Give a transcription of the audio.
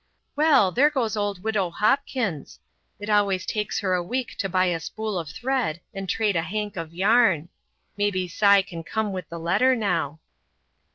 Well, there goes old widow Hopkins it always takes her a week to buy a spool of thread and trade a hank of yarn. Maybe Si can come with the letter, now."